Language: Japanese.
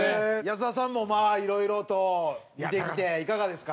安田さんも色々と見てきていかがですか？